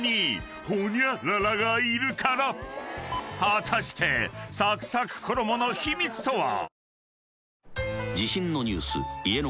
［果たしてサクサク衣の秘密とは？］